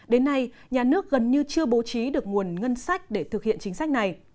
đến nay nhà nước gần như chưa bố trí được nguồn ngân sách để thực hiện chính sách này